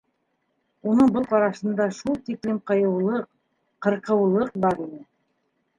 Уның был ҡарашында шул тиклем ҡыйыулыҡ, ҡырҡыулыҡ бар ине.